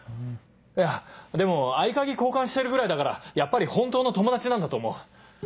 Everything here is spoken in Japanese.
いやでも合鍵交換してるぐらいだからやっぱり本当の友達なんだと思う。